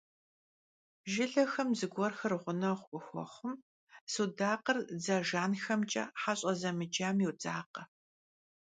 Jjılexem zıguerxer ğuneğu khıxuexhum, sudakhır dze jjanxemç'e a heş'e zemıcam yodzakhe.